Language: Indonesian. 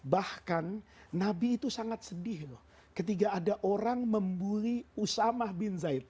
bahkan nabi itu sangat sedih loh ketika ada orang membuli usamah bin zaid